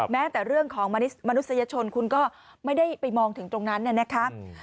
แม้แต่เรื่องของมนุษยชนคุณก็ไม่ได้ไปมองถึงตรงนั้นนะครับ